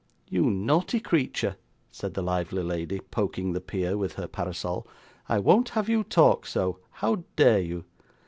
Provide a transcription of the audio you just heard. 'You naughty creature,' said the lively lady, poking the peer with her parasol; 'I won't have you talk so. How dare you?